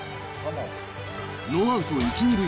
ノーアウト１、２塁。